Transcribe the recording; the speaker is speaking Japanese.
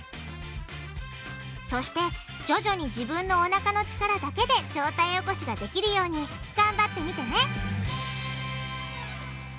そして徐々に自分のおなかの力だけで上体起こしができるようにがんばってみてね！